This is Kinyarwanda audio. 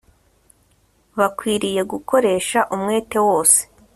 bakwiriye gukoresha umwete wose